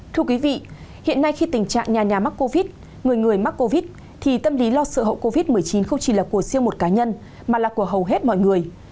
thưa quý vị hiện nay khi tình trạng nhà nhà mắc covid người người mắc covid thì tâm lý lo sợ hậu covid một mươi chín không chỉ là của riêng một cá nhân mà là của hầu hết mọi người